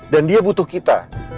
dan dia butuh kita